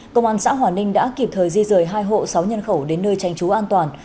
công an xã hòa ninh đã kịp thời di rời hai hộ sáu nhân khẩu đến nơi tranh trú an toàn